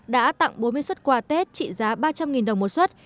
đã tặng bốn mươi xuất quà tết trị giá ba trăm linh đồng một xuất